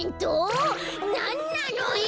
なんなのよ！